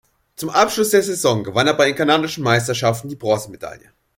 Zum Abschluss der Saison gewann er bei den kanadischen Meisterschaften die Bronzemedaille.